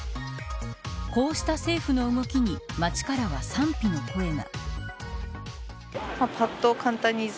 こうした政府の動きに街からは賛否の声が。